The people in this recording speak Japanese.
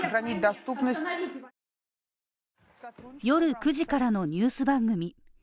夜９時からのニュース番組。